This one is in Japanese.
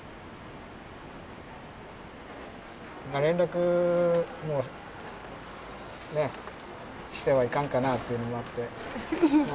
連絡もうしてはいかんかなというのもあって。